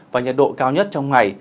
và nhật độ cao nhất trong ngày